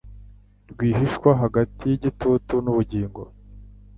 Rwihishwa hagati yigitutu nubugingo